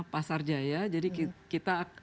pasar jaya jadi kita